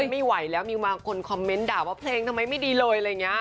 ไม่ไหวแล้วมีบางคนคอมเมนต์ด่าว่าเพลงทำไมไม่ดีเลยอะไรอย่างนี้